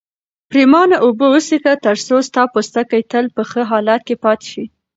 پرېمانه اوبه وڅښه ترڅو ستا پوستکی تل په ښه حالت کې پاتې شي.